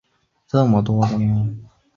县治米尼奥拉。